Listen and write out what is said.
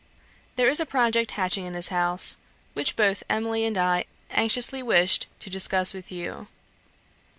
There is a project hatching in this house, which both Emily and I anxiously wished to discuss with you.